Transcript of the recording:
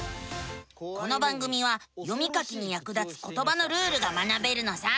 この番組は読み書きにやく立つことばのルールが学べるのさ。